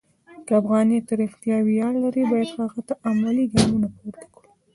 که افغانیت رښتیا ویاړ لري، باید هغه ته عملي ګامونه پورته کړو.